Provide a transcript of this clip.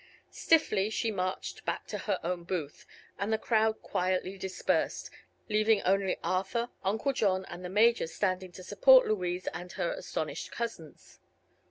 Stiffly she marched back to her own booth, and the crowd quietly dispersed, leaving only Arthur, Uncle John and the Major standing to support Louise and her astonished cousins.